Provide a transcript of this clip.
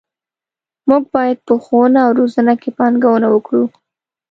موږ باید په ښوونه او روزنه کې پانګونه وکړو.